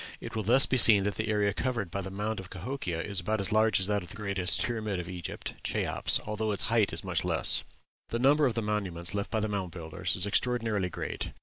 It will thus be seen that the area covered by the mound of Cahokia is about as large as that of the greatest pyramid of Egypt, Cheops, although its height is much less. The number of monuments left by the Mound Builders is extraordinarily great.